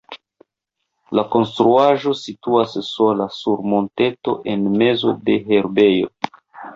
La konstruaĵo situas sola sur monteto en mezo de herbejo.